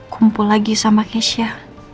kumpul lagi sama keisha